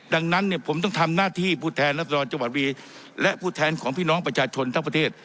ดังนั้นเนี่ยผมต้องทำหน้าที่ผู้แทนรัศดรจังหวัดบุรีและผู้แทนของพี่น้องประชาชนทั้งประเทศ